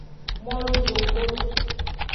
Molu zogbon.